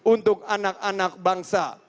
untuk anak anak bangsa